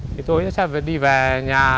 thì tôi sẽ đi về nhà